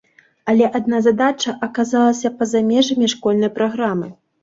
Але адна задача аказалася па-за межамі школьнай праграмы.